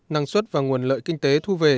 năng suất và nguồn lợi kinh tế thu về